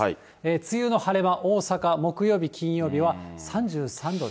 梅雨の晴れ間、大阪、木曜日、金曜日は３３度に。